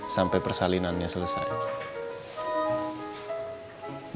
sampai persalinannya selesai